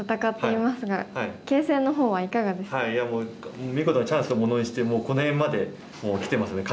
いやもう見事にチャンスをものにしてこの辺まできてますね